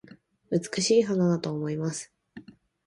美しい花だと思います